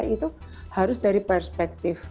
itu harus dari perspektif